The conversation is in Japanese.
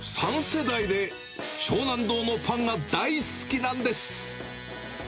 ３世代で湘南堂のパンが大好きなんです。